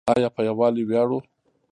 آیا په یوالي ویاړو؟